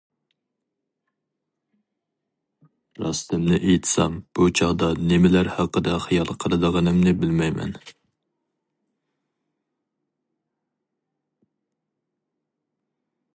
راستىمنى ئېيتسام، بۇ چاغدا نېمىلەر ھەققىدە خىيال قىلىدىغىنىمنى بىلمەيمەن.